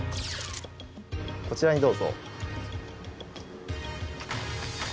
こちらにどうぞ。